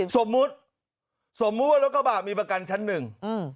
สมมุติรถกระบาดมีประกันชั้นหนึ่ง